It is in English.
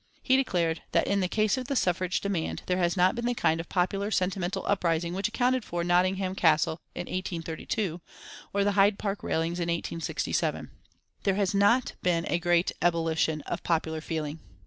He declared that "In the case of the suffrage demand there has not been the kind of popular sentimental uprising which accounted for Nottingham Castle in 1832 or the Hyde Park railings in 1867. There has not been a great ebullition of popular feeling."